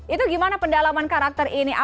itu gimana pendalaman karakter ini